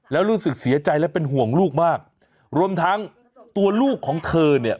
แล้วรู้สึกเสียใจและเป็นห่วงลูกมากรวมทั้งตัวลูกของเธอเนี่ย